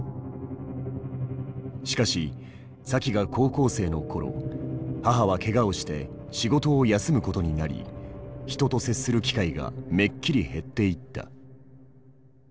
しかしサキが高校生の頃母はケガをして仕事を休むことになり人と接する機会がめっきり減っていった。